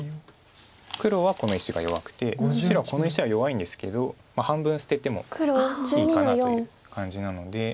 黒はこの石が弱くて白はこの石は弱いんですけど半分捨ててもいいかなという感じなので。